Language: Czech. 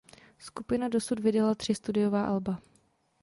Skupina dosud vydala tři studiová alba.